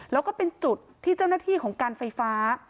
แล้วก็เป็นจุดที่เจ้าหน้าที่ของการไฟฟ้า